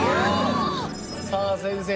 さあ先生